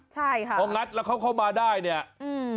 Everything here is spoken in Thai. ใช่ค่ะพองัดแล้วเขาเข้ามาได้เนี่ยอืม